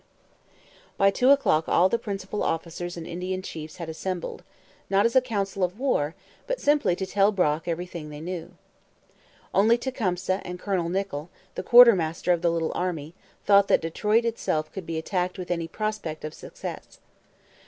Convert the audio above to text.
By two o'clock all the principal officers and Indian chiefs had assembled, not as a council of war, but simply to tell Brock everything they knew. Only Tecumseh and Colonel Nichol, the quartermaster of the little army, thought that Detroit itself could be attacked with any prospect of success.